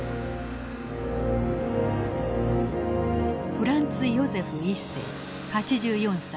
フランツ・ヨゼフ１世８４歳。